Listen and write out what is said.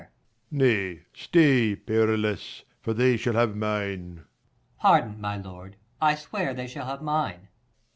Leir. Nay, stay, Perillus, for they shall have mine. Per. Pardon, my lord, I swear they shall have mine.